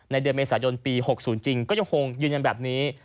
เดือนเมษายนปี๖๐จริงก็ยังคงยืนยันแบบนี้